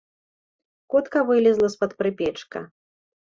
Котка вылезла з-пад прыпечка.